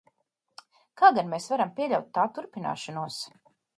Kā gan mēs varam pieļaut tā turpināšanos?